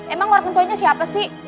emang orang tuanya siapa sih